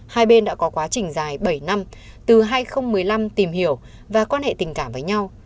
hai bên đã có quá trình dài bảy năm từ hai nghìn một mươi năm tìm hiểu và quan hệ tình cảm với nhau